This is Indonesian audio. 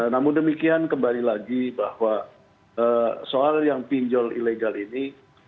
namun demikian kembali lagi bahwa soal yang pinjol ilegal ini